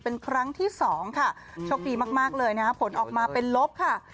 เป็นครั้งที่สองค่ะโชคดีมากเลยนะฮะผลออกมาเป็นลบค่ะ